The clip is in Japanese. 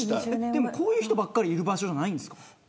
でも、こういう人ばっかりいる場所じゃないんですか。